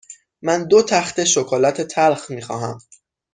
من دو تخته شکلات تلخ می خواهم.